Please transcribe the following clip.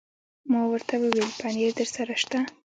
ما ورته وویل: پنیر درسره شته؟